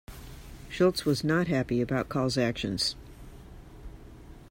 Schultz was not happy about Coll's actions.